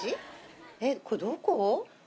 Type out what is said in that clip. えっこれどこ？